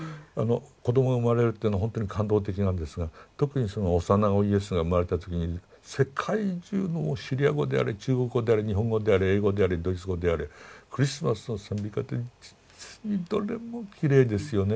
子どもが生まれるっていうのはほんとに感動的なんですが特に幼子イエスが生まれた時に世界中のシリア語であれ中国語であれ日本語であれ英語であれドイツ語であれクリスマスの賛美歌って実にどれもきれいですよね。